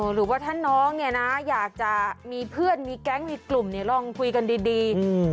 หรือว่าถ้าน้องเนี่ยนะอยากจะมีเพื่อนมีแก๊งมีกลุ่มเนี่ยลองคุยกันดี